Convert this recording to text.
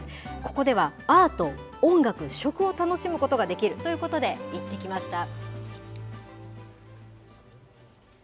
ここではアート、音楽、食を楽しむことができるということで、行ってきました。